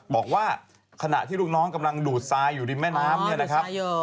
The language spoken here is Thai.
บอกว่าขณะที่ลูกน้องกำลังดูดทรายอยู่ในแม่น้ำ